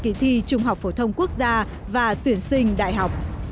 kỳ thi trung học phổ thông quốc gia và tuyển sinh đại học